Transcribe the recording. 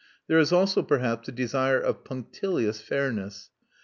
There is also, perhaps, a desire of punctilious fairness.